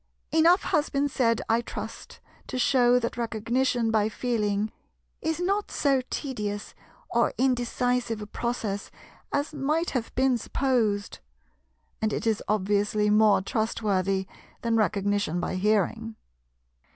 Enough has been said, I trust, to shew that Recognition by Feeling is not so tedious or indecisive a process as might have been supposed; and it is obviously more trustworthy than Recognition by hearing.